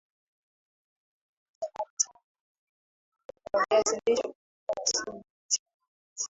uchakataji wa viazi lishe Kuondoa sumu katika viazi